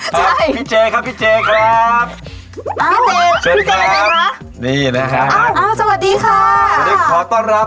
พี่เจ๊ครับครับครับครับ